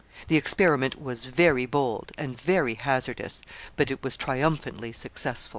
The experiment was very bold and very hazardous, but it was triumphantly successful.